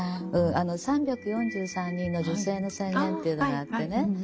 ３４３人の女性の宣言っていうのがあってね